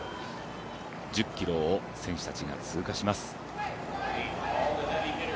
１０ｋｍを選手たちが通過します。